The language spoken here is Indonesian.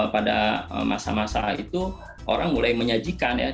pada masa masa itu orang mulai menyajikan ya